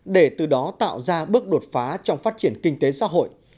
để từ đó tạo ra bước đột phá trong phát triển kinh tế xã hội